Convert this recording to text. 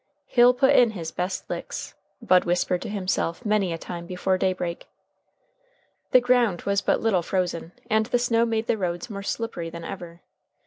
"He'll put in his best licks," Bud whispered to himself many a time before daybreak. The ground was but little frozen, and the snow made the roads more slippery than ever.